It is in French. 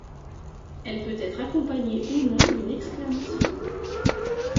Elle peut être accompagnée ou non d'une exclamation.